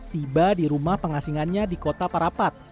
tiba di rumah pengasingannya di kota parapat